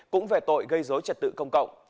cũng về tội gây dối trật tự công cộng